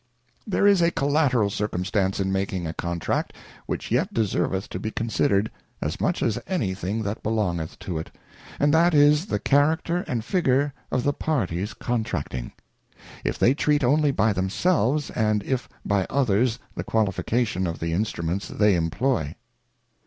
There is a collateral circumstance in making a Con tract, which j'et deserveth to be considered, as much as any thing that belongeth to it ; and that is the character a,nA figure of the parties contracting ; if they treat only by themselves, and if by others, the Qualifications of the Instruments they employ.